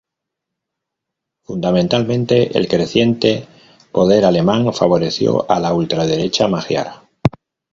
Fundamentalmente, el creciente poder alemán favoreció a la ultraderecha magiar.